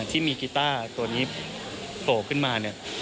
ที่มีกีต้าตัวนี้โผล่ขึ้นมาเนี่ย